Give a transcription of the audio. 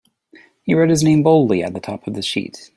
He wrote his name boldly at the top of the sheet.